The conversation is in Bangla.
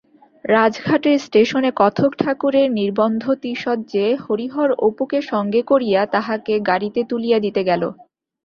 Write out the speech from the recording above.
রাজঘাটের স্টেশনে কথকঠাকুরের নির্বন্ধতিশয্যে হরিহর অপুকে সঙ্গে করিয়া তাহাকে গাড়িতে তুলিয়া দিতে গেল।